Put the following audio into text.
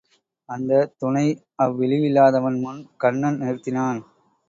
அந்தத் துணை அவ்விழியில்லாதவன் முன் கண்ணன் நிறுத்தினான்.